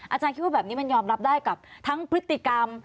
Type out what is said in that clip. อาจารย์คิดว่าแบบนี้มันยอมรับได้กับทั้งพฤติกรรม